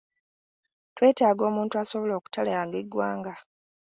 Twetaaga omuntu asobola okutalaaga eggwanga.